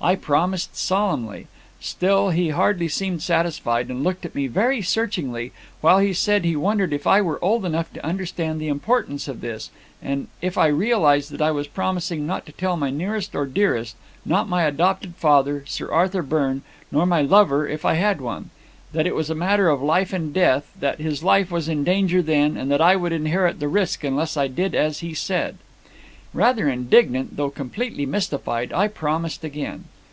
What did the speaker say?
"I promised solemnly; still he hardly seemed satisfied, and looked at me very searchingly, while he said he wondered if I were old enough to understand the importance of this, and if I realized that I was promising not to tell my nearest or dearest; not my adopted father, Sir Arthur Byrne, nor my lover, if I had one. That it was a matter of life and death, that his life was in danger then, and that I would inherit the risk unless I did as he said. "Rather indignant, though completely mystified, I promised again.